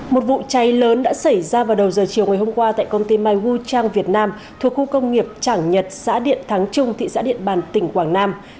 một vụ cháy lớn đã xảy ra vào đầu giờ chiều ngày hôm qua tại công ty mayu trang việt nam thuộc khu công nghiệp trảng nhật xã điện thắng trung thị xã điện bàn tỉnh quảng nam